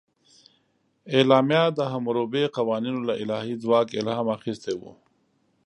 اعلامیه د حموربي قوانینو له الهي ځواک الهام اخیستی و.